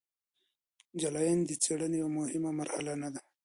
جلاین د څیړنې یوه مهمه مرحله نه ده.